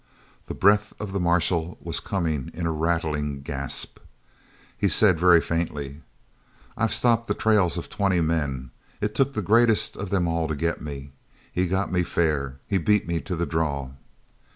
The breath of the marshal was coming in a rattling gasp. He said very faintly: "I've stopped the trails of twenty men. It took the greatest of them all to get me. He got me fair. He beat me to the draw!"